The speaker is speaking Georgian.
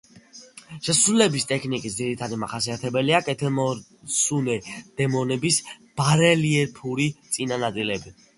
შესრულების ტექნიკის ძირითადი მახასიათებელია კეთილმოსურნე დემონების ბარელიეფური წინა ნაწილები.